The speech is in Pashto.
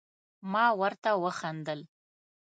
ما ورته وخندل ،